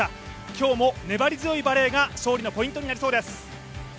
今日も粘り強いバレーが勝利のポイントになりそうです。